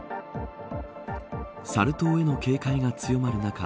サル痘への警戒が強まる中